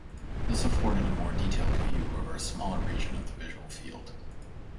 This afforded a more detailed view over a smaller region of the visual field.